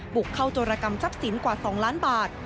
บุกเข้าโจรกรรมทรัพย์สินกว่า๒ล้านบาท